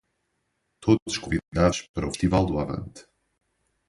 Todes convidades para o festival do Avante